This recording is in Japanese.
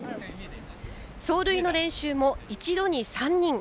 走塁の練習も、一度に３人。